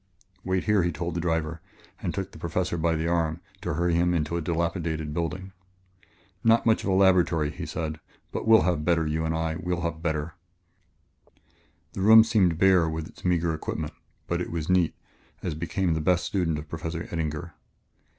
"Wait here," he told the driver and took the Professor by the arm to hurry him into a dilapidated building. "Not much of a laboratory," he said, "but we'll have better, you and I; we'll have better " The room seemed bare with its meager equipment, but it was neat, as became the best student of Professor Eddinger.